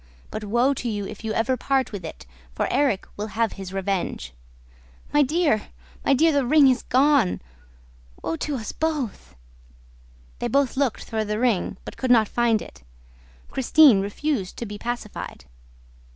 But woe to you if you ever part with it, for Erik will have his revenge!' ... My dear, my dear, the ring is gone! ... Woe to us both!" They both looked for the ring, but could not find it. Christine refused to be pacified.